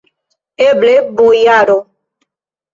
Eble, bojaro!